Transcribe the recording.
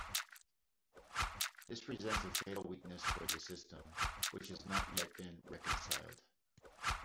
This presents a fatal weakness for the system, which has not yet been reconciled.